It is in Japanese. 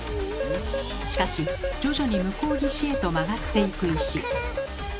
しかし徐々に向こう岸へと曲がっていく石。